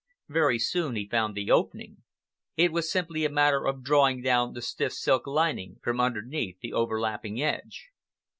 Very soon he found the opening—it was simply a matter of drawing down the stiff silk lining from underneath the overlapping edge.